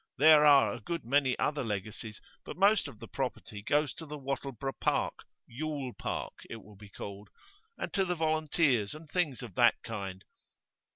There are a good many other legacies, but most of the property goes to the Wattleborough park "Yule Park" it will be called and to the volunteers, and things of that kind.